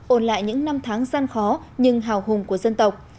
ôn lại những năm tháng gian khó nhưng hào hùng của dân tộc